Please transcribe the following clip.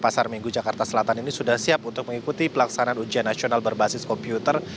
pasar minggu jakarta selatan ini sudah siap untuk mengikuti pelaksanaan ujian nasional berbasis komputer